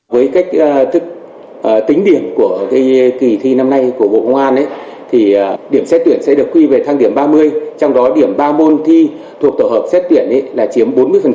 với cách thức tính điểm của kỳ thi năm nay của bộ công an thì điểm xét tuyển sẽ được quy về thang điểm ba mươi trong đó điểm ba môn thi thuộc tổ hợp xét tuyển là chiếm bốn mươi